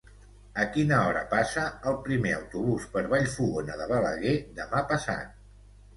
A quina hora passa el primer autobús per Vallfogona de Balaguer demà passat?